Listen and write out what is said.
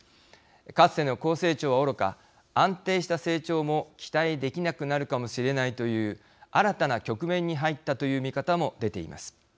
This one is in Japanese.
かつての高成長はおろか安定した成長も期待できなくなるかもしれないという新たな局面に入ったという見方も出ています。